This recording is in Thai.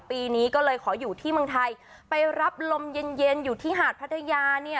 ปีนี้ก็เลยขออยู่ที่เมืองไทยไปรับลมเย็นเย็นอยู่ที่หาดพัทยาเนี่ย